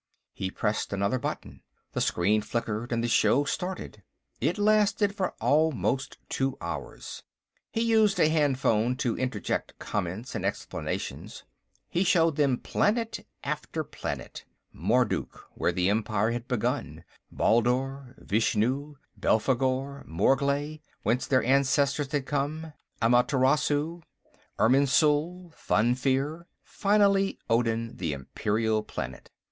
He pressed another button. The screen flickered, and the show started. It lasted for almost two hours; he used a handphone to interject comments and explanations. He showed them planet after planet Marduk, where the Empire had begun, Baldur, Vishnu, Belphegor, Morglay, whence their ancestors had come, Amaterasu, Irminsul, Fafnir, finally Odin, the Imperial Planet.